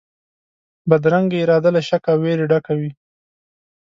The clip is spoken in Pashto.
بدرنګه اراده له شک او وېري ډکه وي